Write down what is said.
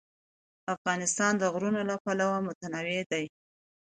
افغانستان د غرونه له پلوه متنوع دی.